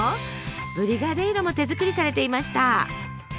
ブリガデイロも手作りされていました。